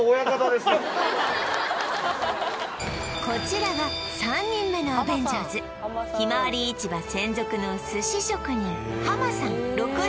こちらが３人目のアベンジャーズひまわり市場専属の寿司職人浜さん